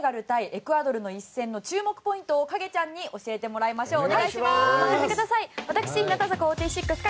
エクアドルの一戦の注目ポイントを影ちゃんに教えてもらいましょう。